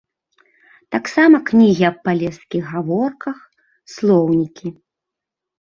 Так сама кнігі аб палескіх гаворках, слоўнікі.